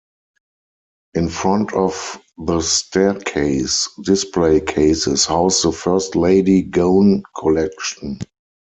In front of the staircase, display cases house the First Lady Gown Collection.